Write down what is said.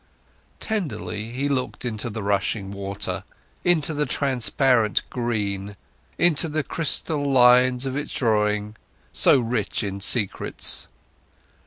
Tenderly, he looked into the rushing water, into the transparent green, into the crystal lines of its drawing, so rich in secrets.